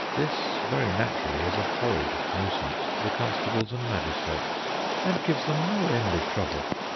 This, very naturally, is a horrid nuisance to the constables and magistrates, and gives them no end of trouble.